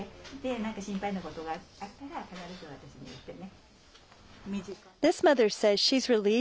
なんか心配なことがあったら、必ず私に言ってね。